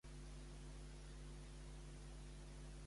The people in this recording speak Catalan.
Què li va traspassar?